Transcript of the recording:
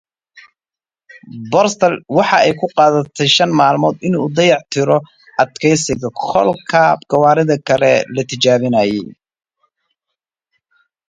Burstall spent five days repairing the Perseverance while the other locomotives were being tested.